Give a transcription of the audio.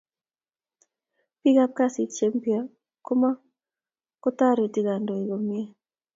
biik kab kazit cheimpya komokutoret kundiikoyei komie